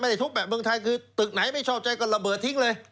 ทุบแบบเมืองไทยคือตึกไหนไม่ชอบใจก็ระเบิดทิ้งเลย